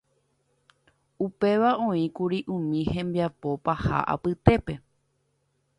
Upéva oĩkuri umi hembiapo paha apytépe.